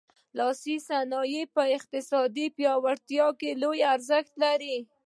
لاسي صنایع په اقتصادي پیاوړتیا کې لوی ارزښت لري.